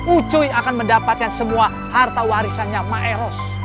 ucuy akan mendapatkan semua harta warisannya maeros